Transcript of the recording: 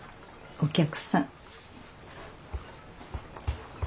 お客さん？